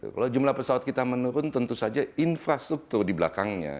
kalau jumlah pesawat kita menurun tentu saja infrastruktur di belakangnya